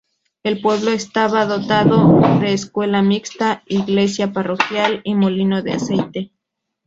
El pueblo estaba dotado de Escuela Mixta, Iglesia Parroquial y molino de aceite.